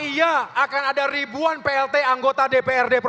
apa iya akan ada ribuan plt anggota dpr ri dan dpd ri